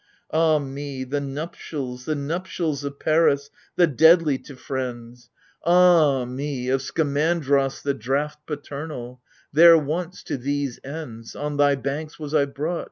Ah me, the nuptials, the nuptials of Paris, the deadly to friends ! AGAMEMNON. 97 Ah me, of Skamandros the draught Paternal ! There once, to these ends, On thy banks was I brought.